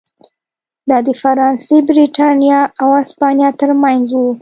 دا د فرانسې، برېټانیا او هسپانیا ترمنځ و.